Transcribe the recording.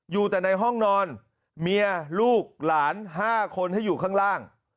อยู่แต่ในห้องนอนเมียลูกหลาน๕คนให้อยู่ข้างล่าง